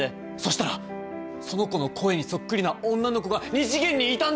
したらその子の声にそっくりな女の子が２次元にいたんですよ！